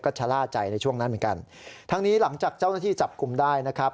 ก็ชะล่าใจในช่วงนั้นเหมือนกันทั้งนี้หลังจากเจ้าหน้าที่จับกลุ่มได้นะครับ